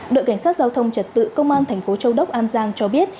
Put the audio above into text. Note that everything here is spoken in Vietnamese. đội cảnh sát giao thông trật tự công an tp châu đốc an giang cho biết